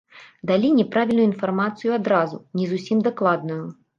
Далі няправільную інфармацыю адразу, не зусім дакладную.